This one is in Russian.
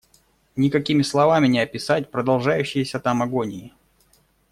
Никакими словами не описать продолжающейся там агонии.